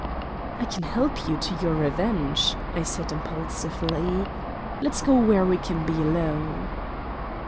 "I can help you to your revenge," I said impulsively. "Let's go where we can be alone."